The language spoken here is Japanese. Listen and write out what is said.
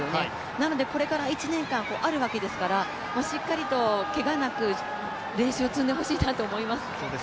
なのでこれから１年間あるわけですから、しっかりとけがなく練習を積んでほしいなと思います。